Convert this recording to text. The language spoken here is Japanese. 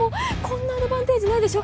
こんなアドバンテージないでしょ